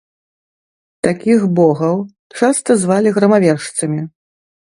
Такіх богаў часта звалі грамавержцамі.